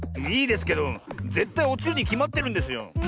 いいですけどぜったいおちるにきまってるんですよ。